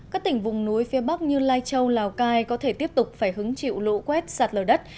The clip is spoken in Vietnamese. các tỉnh vùng núi phía bắc như lai châu lào cai có thể tiếp tục phải hứng chịu lũ quét sạt lở đất